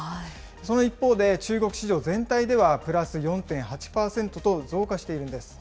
その一方で、中国市場全体では、プラス４．８％と、増加しているんです。